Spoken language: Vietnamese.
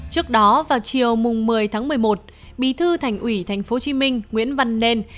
trước đó vào chiều một mươi tháng một mươi một bí thư thành ủy tp hcm nguyễn văn nên